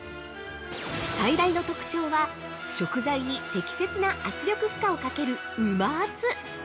◆最大の特徴は、食材に適切な圧力負荷をかける、うま圧。